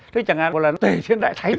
thế chẳng hạn là tể thiên đại thánh